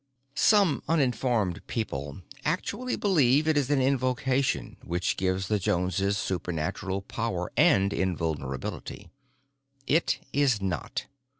Some uninformed people actually believe it is an invocation which gives the Joneses supernatural power and invulnerability. It is not.